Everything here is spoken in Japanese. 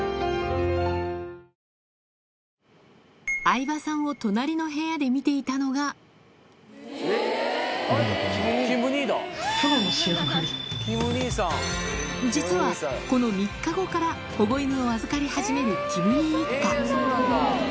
相葉さんを隣の部屋で見ていたのが実はこの３日後から保護犬を預かり始めるキム兄一家